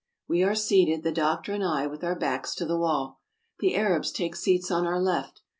We are seated, the doctor and I, with our backs to the wall. The Arabs take seats on our left.